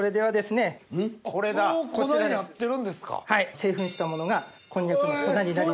製粉したものがこんにゃくの粉になります。